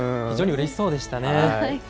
非常にうれしそうでしたね。